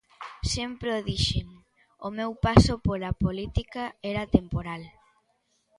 Sempre o dixen: o meu paso pola política era temporal.